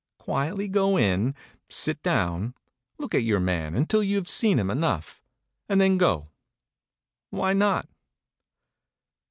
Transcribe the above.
Quietly go in, sit down, look at your man until you have seen him enough, and then go. Why not?